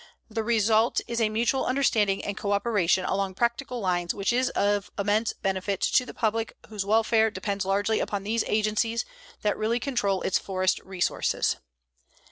The result is a mutual understanding and coöperation along practical lines which is of immense benefit to the public whose welfare depends largely upon these agencies that really control its forest resources.